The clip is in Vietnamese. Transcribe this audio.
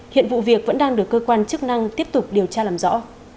hiện vụ việc vẫn đang được cơ quan chức năng tiếp tục điều tra làm rõ